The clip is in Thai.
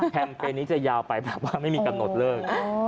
เปญนี้จะยาวไปแบบว่าไม่มีกำหนดเลิก